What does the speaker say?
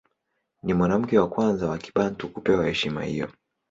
Ni mwanamke wa kwanza wa Kibantu kupewa heshima hiyo.